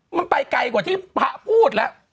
มันไปไกลกว่าที่พระพูดแล้ว